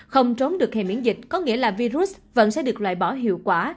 không trốn được hệ miễn dịch có nghĩa là virus vẫn sẽ được loại bỏ hiệu quả